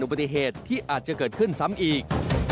ปฏิเหตุที่อาจจะเกิดขึ้นซ้ำอีก